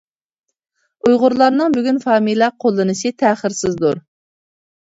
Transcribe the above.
ئۇيغۇرلارنىڭ بۈگۈن فامىلە قوللىنىشى تەخىرسىزدۇر.